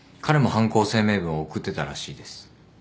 彼も犯行声明文を送ってたらしいです。